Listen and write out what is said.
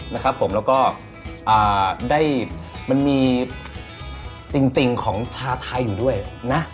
นะครับผมแล้วก็ได้มันมีติ่งของชาวไทยอยู่ด้วยนะ